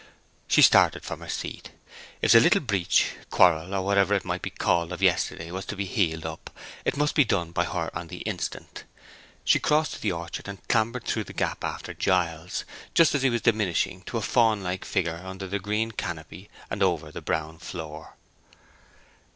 She started from her seat. If the little breach, quarrel, or whatever it might be called, of yesterday, was to be healed up it must be done by her on the instant. She crossed into the orchard, and clambered through the gap after Giles, just as he was diminishing to a faun like figure under the green canopy and over the brown floor.